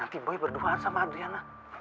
nanti boy berduaan sama adriana